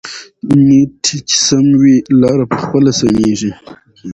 نیت چې سم وي، لاره پخپله سمېږي.